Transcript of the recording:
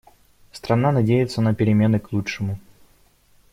Страна надеется на перемены к лучшему.